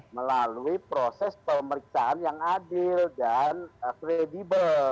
melalui proses pemeriksaan yang adil dan kredibel